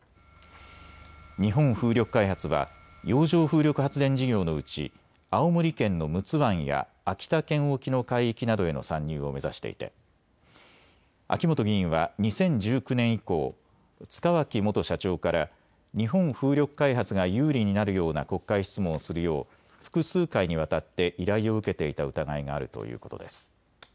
日本風力開発は洋上風力発電事業のうち青森県の陸奥湾や秋田県沖の海域などへの参入を目指していて秋本議員は２０１９年以降、塚脇元社長から日本風力開発が有利になるような国会質問をするよう複数回にわたって依頼を受けていた疑いがあるということです。